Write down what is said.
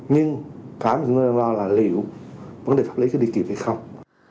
nhưng khá là người đang lo là liệu vấn đề pháp lý có đi kịp hay không